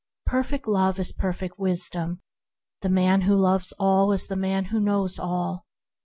Perfect Love is perfect Wisdom. The man who loves all is the man who knows all.